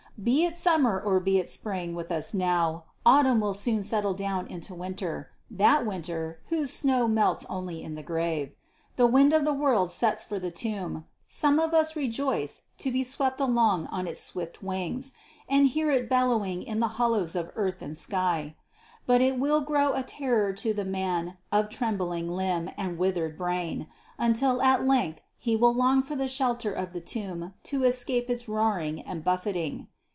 "Be it summer or be it spring with us now, autumn will soon settle down into winter, that winter whose snow melts only in the grave. The wind of the world sets for the tomb. Some of us rejoice to be swept along on its swift wings, and hear it bellowing in the hollows of earth and sky; but it will grow a terror to the man of trembling limb and withered brain, until at length he will long for the shelter of the tomb to escape its roaring and buffeting.